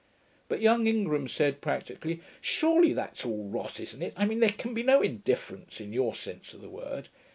But young Ingram said, practically, 'Surely that's all rot, isn't it? I mean, there can be no indifferents, in your sense of the word.